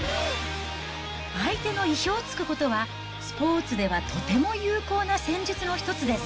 相手の意表をつくことは、スポーツではとても有効な戦術の一つです。